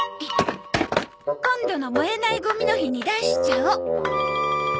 今度の燃えないゴミの日に出しちゃおう。